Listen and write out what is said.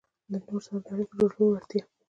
-له نورو سره د اړیکو جوړولو وړتیا